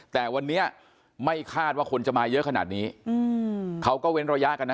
แต่วันนี้ไม่คาดว่าคนจะมาเยอะขนาดนี้เขาก็เว้นระยะกันนะ